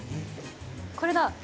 これだ。